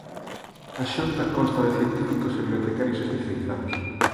A xunta consta de científicos e bibliotecarios especializados.